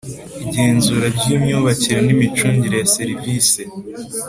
Igenzura ry imyubakire n imicungire ya serivise